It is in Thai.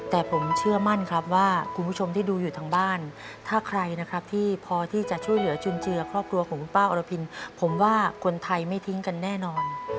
แต่ผมเชื่อมั่นครับว่าคุณผู้ชมที่ดูอยู่ทางบ้านถ้าใครนะครับที่พอที่จะช่วยเหลือจุนเจือครอบครัวของคุณป้าอรพินผมว่าคนไทยไม่ทิ้งกันแน่นอน